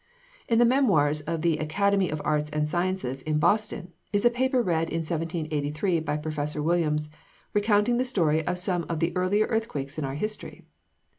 In the memoirs of the "Academy of the Arts and Sciences" in Boston, is a paper read in 1783 by Prof. Williams, recounting the story of some of the earlier earthquakes in our history.